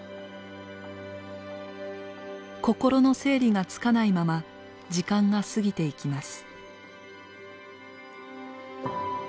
心の整理がつかないまま時間が過ぎていきます。